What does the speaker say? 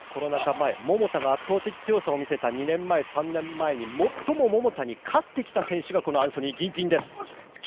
前桃田が圧倒的強さを見せた２年前、３年前に最も桃田に勝ってきた選手がアンソニー・ギンティン。